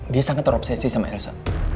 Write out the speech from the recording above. dia sangat terobsesi sama elsa